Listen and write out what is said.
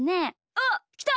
おっきた！